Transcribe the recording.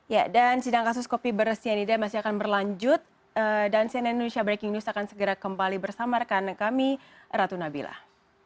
ya dan sidang kasus kopi beras cyanida masih akan berlanjut dan cnn indonesia breaking news akan segera kembali bersama rekan kami ratu nabilah